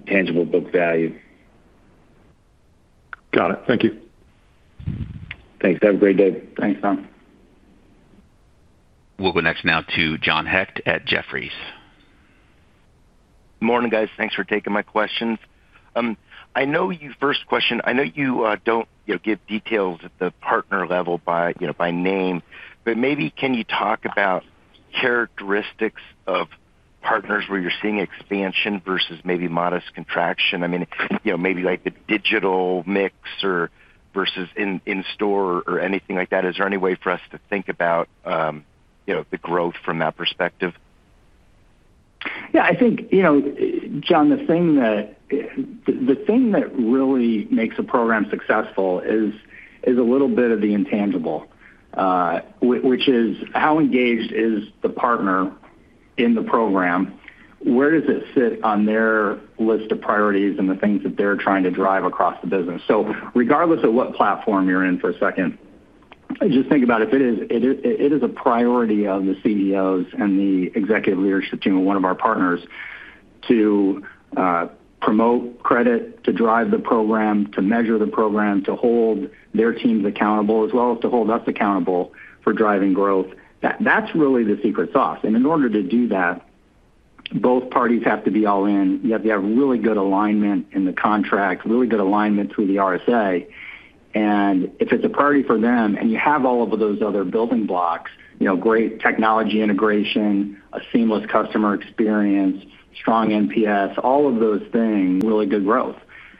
tangible book value. Got it. Thank you. Thanks. Have a great day. Thanks, Don. We'll go next to John Hecht at Jefferies. Morning, guys. Thanks for taking my questions. I know you don't give details at the partner level by name, but maybe can you talk about characteristics of partners where you're seeing expansion versus maybe modest contraction? I mean, maybe like the digital mix or versus in-store or anything like that. Is there any way for us to think about the growth from that perspective? Yeah. I think, you know, John, the thing that really makes a program successful is a little bit of the intangible, which is how engaged is the partner in the program? Where does it sit on their list of priorities and the things that they're trying to drive across the business? Regardless of what platform you're in for a second, I just think about it. It is a priority of the CEOs and the executive leadership team of one of our partners to promote credit, to drive the program, to measure the program, to hold their teams accountable, as well as to hold us accountable for driving growth. That's really the secret sauce. In order to do that, both parties have to be all in. You have to have really good alignment in the contract, really good alignment through the RSA. If it's a priority for them, and you have all of those other building blocks, you know, great technology integration, a seamless customer experience, strong NPS, all of those things. Really good growth.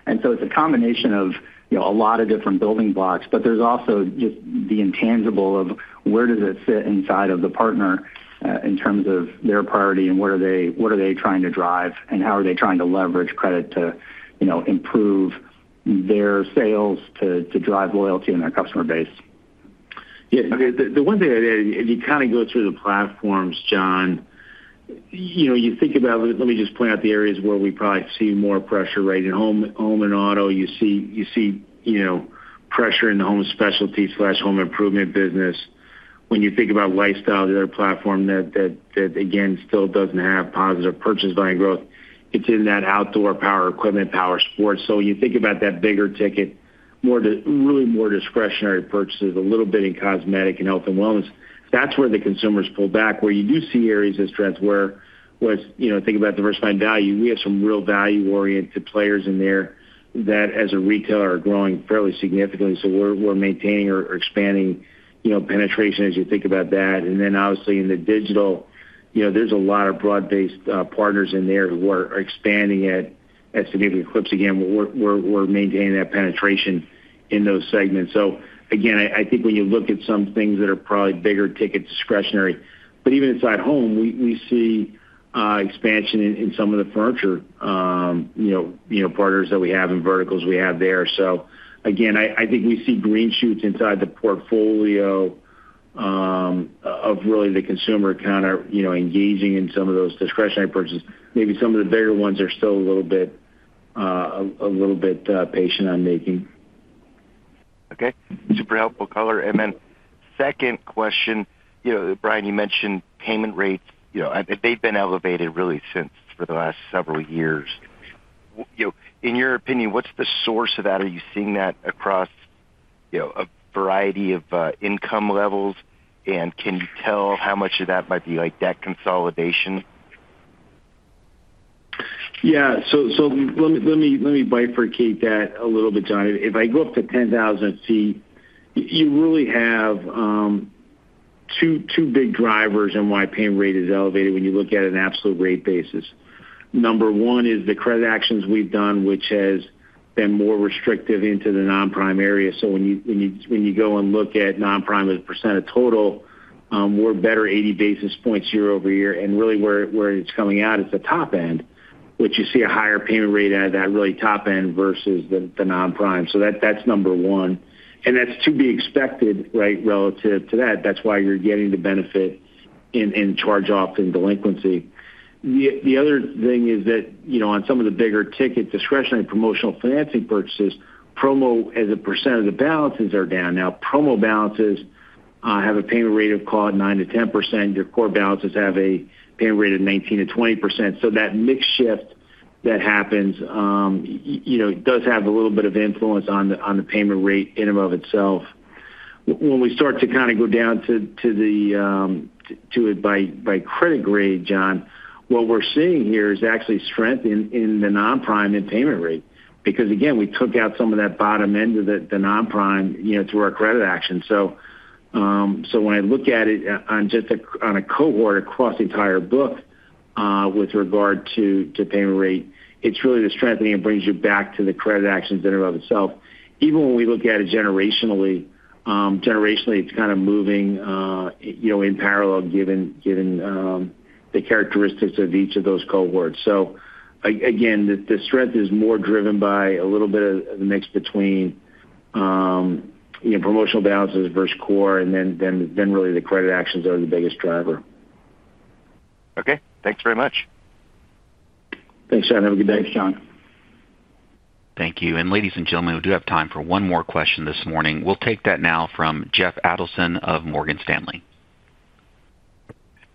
It's a combination of, you know, a lot of different building blocks. There's also just the intangible of where does it sit inside of the partner in terms of their priority and what are they trying to drive and how are they trying to leverage credit to, you know, improve their sales to drive loyalty in their customer base. Yeah. The one thing I'd add, and you kind of go through the platforms, John, you know, you think about, let me just point out the areas where we probably see more pressure, right? In home and auto, you see pressure in the home specialty/home improvement business. When you think about lifestyle, the other platform that, again, still doesn't have positive purchase volume growth, it's in that outdoor power equipment, power sports. When you think about that bigger ticket, really more discretionary purchases, a little bit in cosmetic and health and wellness, that's where the consumers pull back, where you do see areas of strength where, you know, think about diversified value. We have some real value-oriented players in there that, as a retailer, are growing fairly significantly. We're maintaining or expanding penetration as you think about that. Obviously, in the digital, there's a lot of broad-based partners in there who are expanding at significant clips. Again, we're maintaining that penetration in those segments. I think when you look at some things that are probably bigger ticket discretionary, but even inside home, we see expansion in some of the furniture partners that we have and verticals we have there. I think we see green shoots inside the portfolio of really the consumer kind of engaging in some of those discretionary purchases. Maybe some of the bigger ones are still a little bit patient on making. Okay. Super helpful color. Second question, you know, Brian, you mentioned payment rates, you know, and they've been elevated really since for the last several years. In your opinion, what's the source of that? Are you seeing that across, you know, a variety of income levels? Can you tell how much of that might be like debt consolidation? Yeah. Let me bifurcate that a little bit, John. If I go up to 10,000 ft, you really have two big drivers in why payment rate is elevated when you look at an absolute rate basis. Number one is the credit actions we've done, which has been more restrictive into the non-prime area. When you go and look at non-prime as a percent of total, we're better 80 basis points year-over-year. Where it's coming out is the top end, which you see a higher payment rate out of that really top end versus the non-prime. That's number one. That's to be expected, right, relative to that. That's why you're getting the benefit in charge-offs and delinquency. The other thing is that, on some of the bigger ticket discretionary promotional financing purchases, promo as a percent of the balances are down. Promo balances have a payment rate of, call it, 9%-10%. Your core balances have a payment rate of 19%-20%. That mixed shift that happens does have a little bit of influence on the payment rate in and of itself. When we start to kind of go down to it by credit grade, John, what we're seeing here is actually strength in the non-prime and payment rate because, again, we took out some of that bottom end of the non-prime through our credit actions. When I look at it on just a cohort across the entire book with regard to payment rate, it's really the strengthening that brings you back to the credit actions in and of itself. Even when we look at it generationally, it's kind of moving in parallel given the characteristics of each of those cohorts. Again, the strength is more driven by a little bit of the mix between promotional balances versus core, and then really the credit actions are the biggest driver. Okay, thanks very much. Thanks, John. Have a good day. Thanks, John. Thank you. Ladies and gentlemen, we do have time for one more question this morning. We'll take that now from Jeff Adelson of Morgan Stanley.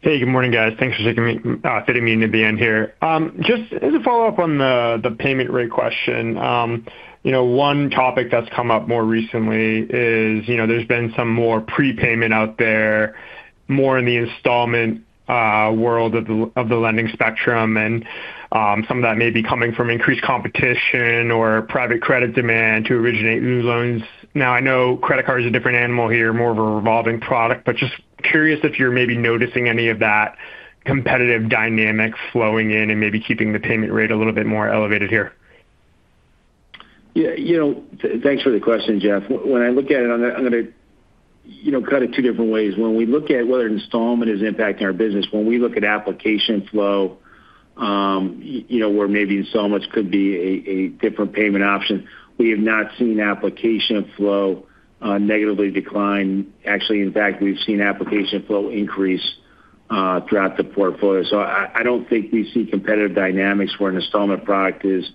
Hey, good morning, guys. Thanks for taking me off today meeting to be in here. Just as a follow-up on the payment rate question, you know, one topic that's come up more recently is, you know, there's been some more prepayment out there, more in the installment world of the lending spectrum. Some of that may be coming from increased competition or private credit demand to originate new loans. Now, I know credit cards are a different animal here, more of a revolving product, but just curious if you're maybe noticing any of that competitive dynamic flowing in and maybe keeping the payment rate a little bit more elevated here. Yeah. Thanks for the question, Jeff. When I look at it, I'm going to cut it two different ways. When we look at whether installment is impacting our business, when we look at application flow, where maybe installments could be a different payment option, we have not seen application flow negatively decline. In fact, we've seen application flow increase throughout the portfolio. I don't think we see competitive dynamics where an installment product is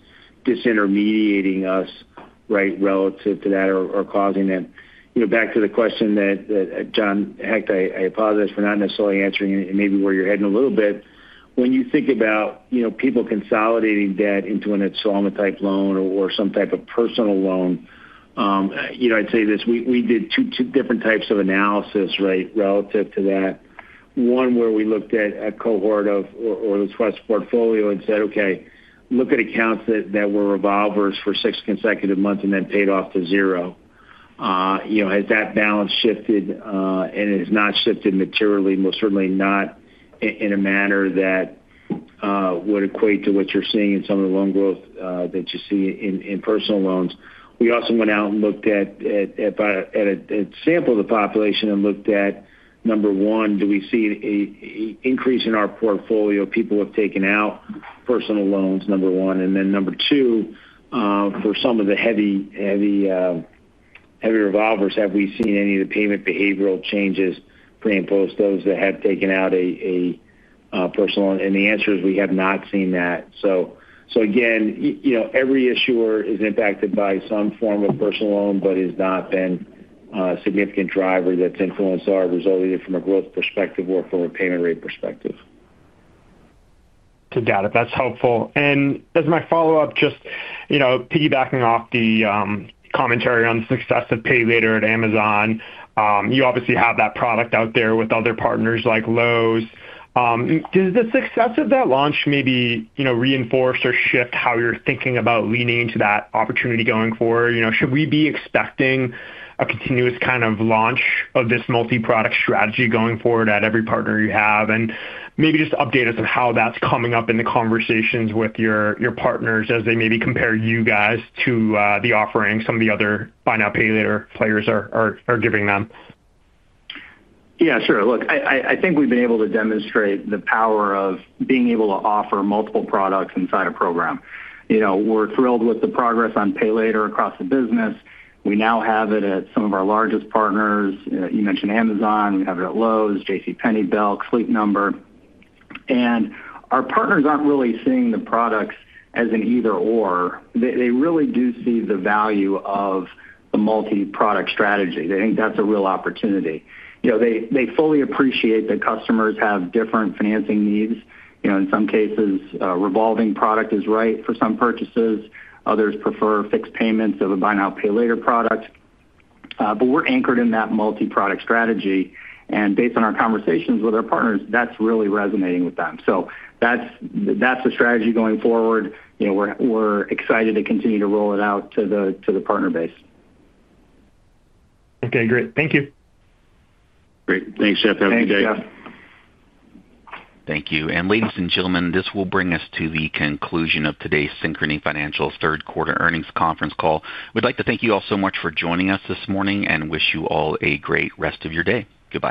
disintermediating us, right, relative to that or causing that. Back to the question that John Hecht, I apologize for not necessarily answering it and maybe where you're heading a little bit. When you think about people consolidating debt into an installment-type loan or some type of personal loan, I'd say this. We did two different types of analysis, right, relative to that. One, where we looked at a cohort of the Swiss portfolio and said, "Okay, look at accounts that were revolvers for six consecutive months and then paid off to zero." Has that balance shifted? It has not shifted materially, most certainly not in a manner that would equate to what you're seeing in some of the loan growth that you see in personal loans. We also went out and looked at a sample of the population and looked at, number one, do we see an increase in our portfolio? People who have taken out personal loans, number one. Then number two, for some of the heavy revolvers, have we seen any of the payment behavioral changes pre and post those that have taken out a personal loan? The answer is we have not seen that. Again, every issuer is impacted by some form of personal loan, but it has not been a significant driver that's influenced our result either from a growth perspective or from a payment rate perspective. Got it. That's helpful. As my follow-up, just piggybacking off the commentary on the success of Pay Later at Amazon, you obviously have that product out there with other partners like Lowe's. Does the success of that launch maybe reinforce or shift how you're thinking about leaning into that opportunity going forward? Should we be expecting a continuous kind of launch of this multi-product strategy going forward at every partner you have? Maybe just update us on how that's coming up in the conversations with your partners as they maybe compare you guys to the offering some of the other buy now, Pay Later players are giving them. Yeah, sure. Look, I think we've been able to demonstrate the power of being able to offer multiple products inside a program. We're thrilled with the progress on Pay Later across the business. We now have it at some of our largest partners. You mentioned Amazon. We have it at Lowe's, JCPenney, Belk, Sleep Number. Our partners aren't really seeing the products as an either/or. They really do see the value of the multi-product strategy. They think that's a real opportunity. They fully appreciate that customers have different financing needs. In some cases, a revolving product is right for some purchases. Others prefer fixed payments of a buy now, Pay Later product. We're anchored in that multi-product strategy, and based on our conversations with our partners, that's really resonating with them. That's the strategy going forward. We're excited to continue to roll it out to the partner base. Okay. Great. Thank you. Great. Thanks, Jeff. Have a good day. Thanks, Jeff. Thank you. Ladies and gentlemen, this will bring us to the conclusion of today's Synchrony Financial third quarter earnings conference call. We'd like to thank you all so much for joining us this morning and wish you all a great rest of your day. Goodbye.